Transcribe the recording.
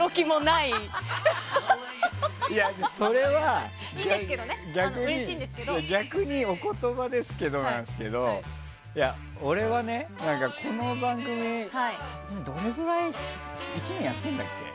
いや、それは逆にお言葉ですけどなんですけど俺はね、この番組１年やってるんだっけ。